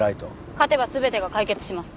勝てば全てが解決します。